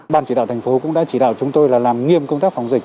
ban chỉ đạo thành phố cũng đã chỉ đạo chúng tôi là làm nghiêm công tác phòng dịch